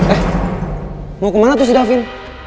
eh mau kemana tuh si da vin